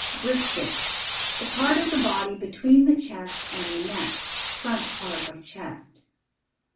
BRISKET. The part of the body between the chest and the neck. Front part of chest.